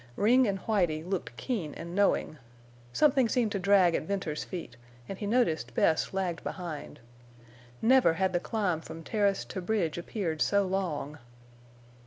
Ring and Whitie looked keen and knowing. Something seemed to drag at Venters's feet and he noticed Bess lagged behind. Never had the climb from terrace to bridge appeared so long.